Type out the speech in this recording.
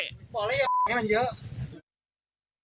บอกแล้วเหยียบมันเยอะ